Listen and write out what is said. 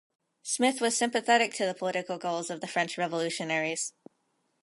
Smith was sympathetic to the political goals of the French revolutionaries.